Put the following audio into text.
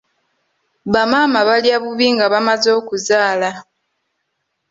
Bamaama balya bubi nga bamaze okuzaala.